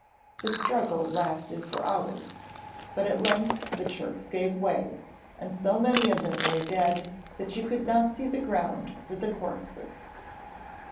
The struggle lasted for hours, but at length the Turks gave way, and so many of them lay dead that you could not see the ground for the corpses.